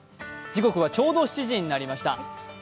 時刻はちょうど７時になりました。